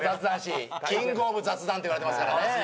キングオブ雑談といわれてますからね。